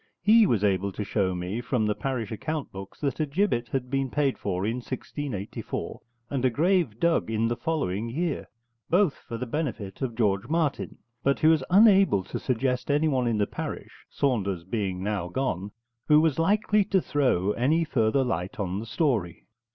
He was able to show me from the parish account books that a gibbet had been paid for in 1684, and a grave dug in the following year, both for the benefit of George Martin; but he was unable to suggest anyone in the parish, Saunders being now gone, who was likely to throw any further light on the story.